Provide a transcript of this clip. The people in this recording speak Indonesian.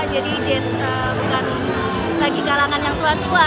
jadi jazz bukan lagi kalangan yang tua tua